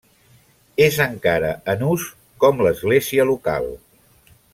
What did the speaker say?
És encara en ús com l'església local.